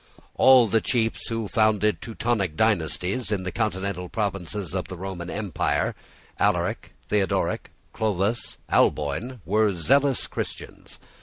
All the chiefs who founded Teutonic dynasties in the continental provinces of the Roman empire, Alaric, Theodoric, Clovis, Alboin, were zealous Christians.